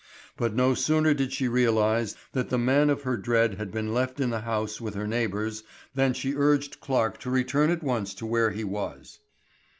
But no sooner did she realize that the man of her dread had been left in the house with her neighbors than she urged Clarke to return at once to where he was.